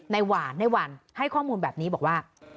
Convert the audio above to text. หวานในหวานให้ข้อมูลแบบนี้บอกว่า